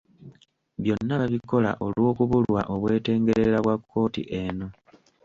Byonna babikola olw’okubulwa obwetengerera kwa kkooti eno.